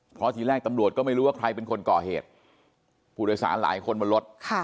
เพราะทีแรกตำรวจก็ไม่รู้ว่าใครเป็นคนก่อเหตุผู้โดยสารหลายคนบนรถ